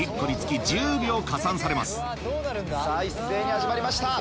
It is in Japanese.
さぁ一斉に始まりました。